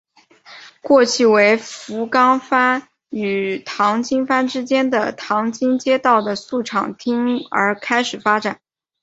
过去为福冈藩与唐津藩之间的唐津街道的宿场町而开始发展。